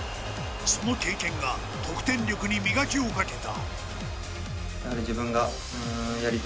その経験が、得点力に磨きをかけた。